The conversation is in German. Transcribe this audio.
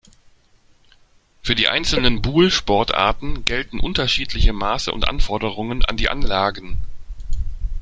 Für die einzelnen Boule-Sportarten gelten unterschiedliche Maße und Anforderungen an die Anlagen.